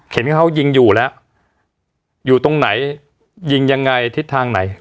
เห็นว่าเขายิงอยู่แล้วอยู่ตรงไหนยิงยังไงทิศทางไหน